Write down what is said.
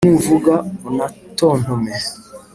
nuvuga unatontome